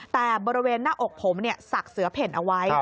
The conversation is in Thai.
แต่บริเวณหน้าอกผมสักเสือเพ่นเอาไว้